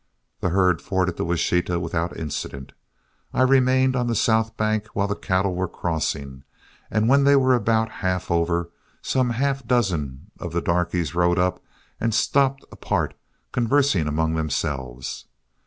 The herd forded the Washita without incident. I remained on the south bank while the cattle were crossing, and when they were about half over some half dozen of the darkies rode up and stopped apart, conversing among themselves.